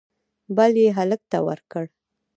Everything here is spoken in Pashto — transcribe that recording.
بل یې هلک ته ورکړ